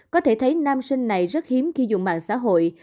có thể thấy nam sinh này rất hiếm khi dùng mạng xã hội